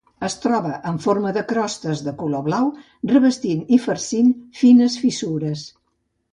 Es troba en forma de crostes de color blau, revestint i farcint fines fissures.